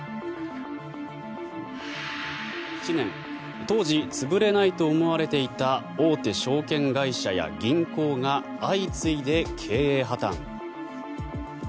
前の年の１９９７年当時潰れないと思われていた大手証券会社や銀行が相次いで経営破たん。